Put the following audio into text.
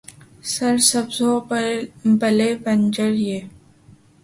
سر سبز ہو، بھلے بنجر، یہ